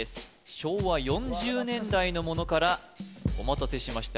昭和４０年代のものからお待たせしました